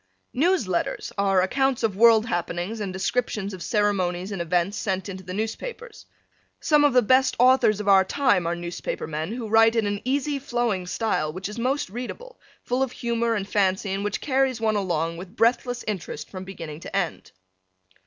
News letters are accounts of world happenings and descriptions of ceremonies and events sent into the newspapers. Some of the best authors of our time are newspaper men who write in an easy flowing style which is most readable, full of humor and fancy and which carries one along with breathless interest from beginning to end.